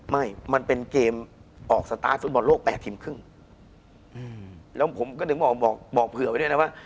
ไม่มันเป็นเกมออกสตาร์ทฟุตบอลโลก๘ทีมครึ่งแล้วผมก็ถึงบอกบอกเผื่อไว้ด้วยนะว่า